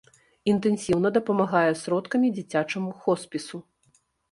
Інтэнсіўна дапамагае сродкамі дзіцячаму хоспісу.